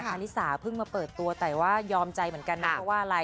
คาริสาเพิ่งมาเปิดตัวแต่ว่ายอมใจเหมือนกันนะ